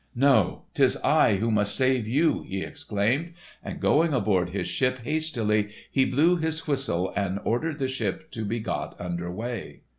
"No! 'tis I who must save you!" he exclaimed. And going aboard his ship hastily he blew his whistle and ordered the ship to be got under way.